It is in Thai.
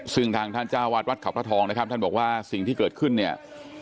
ซึ่งทางท่านเจ้าวาดวัดเขาพระทองนะครับท่านบอกว่าสิ่งที่เกิดขึ้นเนี่ย